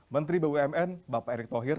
menteri bumn bapak erick thohir